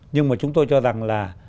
nhưng mà chúng tôi cho rằng là